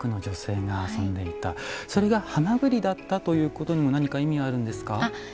それがハマグリだったということにも何か意味があるんですか？